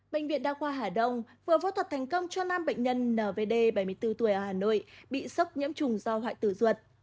bệnh viện đa khoa hà đông vừa phẫu thuật thành công cho năm bệnh nhân nvd bảy mươi bốn tuổi ở hà nội bị sốc nhiễm trùng do hoại tử ruột